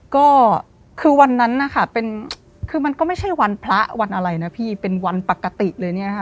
ก็คือวันนั้นนะคะคือมันก็ไม่ใช่วันพระวันอะไรนะพี่เป็นวันปกติเลยเนี่ยค่ะ